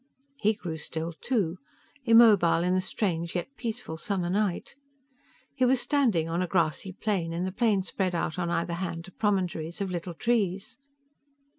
He grew still, too immobile in the strange, yet peaceful, summer night. He was standing on a grassy plain, and the plain spread out on either hand to promontories of little trees.